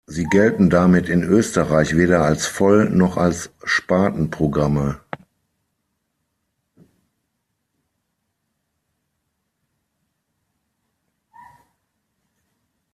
Sie gelten damit in Österreich weder als Voll- noch als Spartenprogramme.